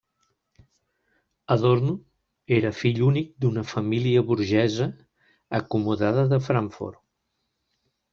Adorno era fill únic d'una família burgesa acomodada de Frankfurt.